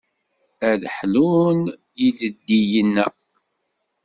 Ad ḥlun yideddiyen-a?